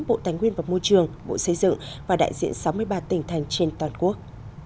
bộ tài nguyên và môi trường bộ xây dựng và đại diện sáu mươi ba tỉnh thành trên toàn quốc